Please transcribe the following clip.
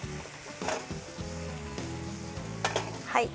はい。